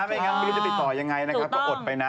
ไม่งั้นไม่รู้จะติดต่อยังไงนะครับก็อดไปนะ